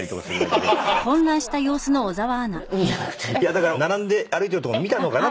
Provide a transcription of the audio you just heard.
だから並んで歩いてるとこ見たのかな？